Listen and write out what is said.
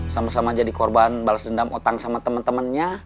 sama sama jadi korban balas dendam otang sama temen temennya